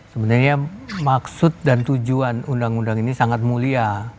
sebenarnya maksud dan tujuan undang undang ini sangat mulia